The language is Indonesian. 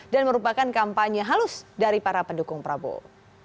dan merupakan kampanye halus dari para pendukung prabowo